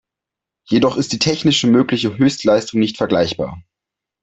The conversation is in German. Jedoch ist die technisch mögliche Höchstleistung nicht vergleichbar.